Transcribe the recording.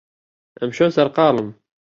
ئەمشەو سەرقاڵم.